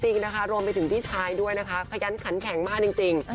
จริงนะคะรวมไปถึงพี่ชายด้วยนะคะขยันขันแข็งมากจริง